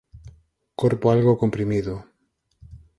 Corpo algo comprimido.